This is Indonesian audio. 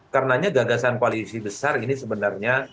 karena gagasan polisi besar ini sebenarnya